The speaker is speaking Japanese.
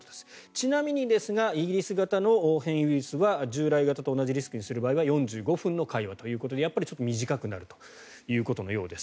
ちなみにですがイギリス型の変異ウイルスは従来型と同じリスクにする場合は４５分とやっぱりちょっと短くなるということのようです。